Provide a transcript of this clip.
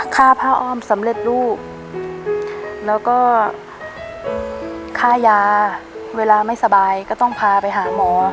ค่าผ้าอ้อมสำเร็จลูกแล้วก็ค่ายาเวลาไม่สบายก็ต้องพาไปหาหมอ